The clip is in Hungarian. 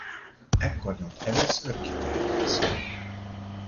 Ekkor nyúlt először gitárhoz.